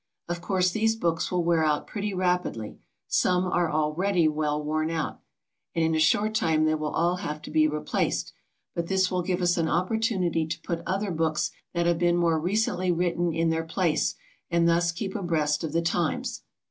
Of course these books will wear out pretty rapidly some are already well worn out and in a short time they will all have to be replaced. But this will give us an opportunity to put other books that have been more recently written in their place, and thus keep abreast of the times.